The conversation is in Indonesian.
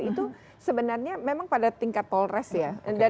itu sebenarnya memang pada tingkat polres ya